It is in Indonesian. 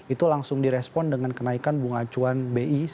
itu langsung direspon dengan kenaikan bunga acuan bi